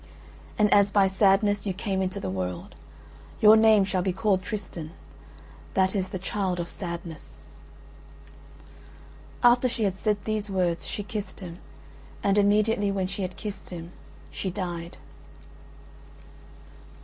And as by sadness you came into the world, your name shall be called Tristan; that is the child of sadness." After she had said these words she kissed him, and immediately when she had kissed him she died.